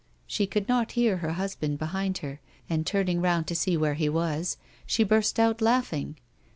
She could not hear her husband behind her, and, turning round to see where he was, she burst out laughing.